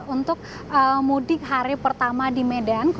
untuk mudik hari pertama di medan